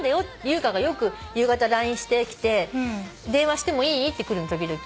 優香がよく夕方ＬＩＮＥしてきて「電話してもいい？」って来る時々。